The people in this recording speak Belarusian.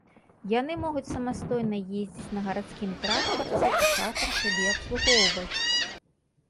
Яны могуць самастойна ездзіць на гарадскім транспарце і цалкам сябе абслугоўваць.